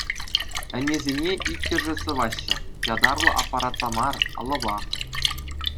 Ӗнесене иккӗшӗ сӑваҫҫӗ, ятарлӑ аппаратпа мар, алӑпах.